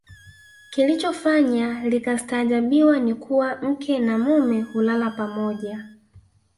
Kilichofanya likastaajabiwa ni kuwa mke na mume hulala pamoja